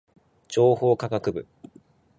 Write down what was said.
情報科学部